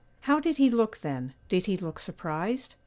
'How did he look then? Did he look surprised?